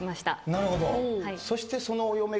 なるほど。